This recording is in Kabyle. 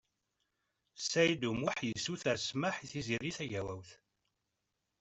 Saɛid U Muḥ yessuter smeḥ i Tiziri Tagawawt.